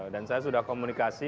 dan saya sudah komunikasi